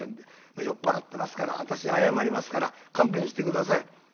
酔っ払ってますから私謝りますから勘弁して下さい」。